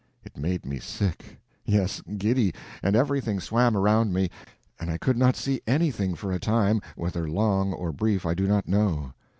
It made me sick, yes, giddy, and everything swam around me, and I could not see anything for a time—whether long or brief I do not know.